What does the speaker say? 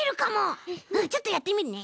ちょっとやってみるね。